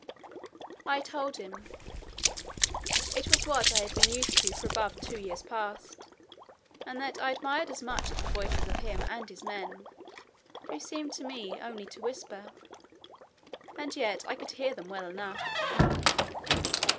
I told him, "it was what I had been used to for above two years past, and that I admired as much at the voices of him and his men, who seemed to me only to whisper, and yet I could hear them well enough.